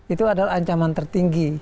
itu adalah ancaman tertinggi